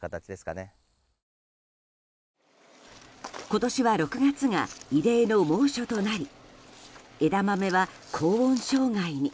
今年は６月が異例の猛暑となり枝豆は高温障害に。